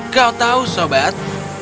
kau tahu sobat